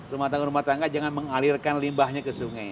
rumah tangga rumah tangga jangan mengalirkan limbahnya ke sungai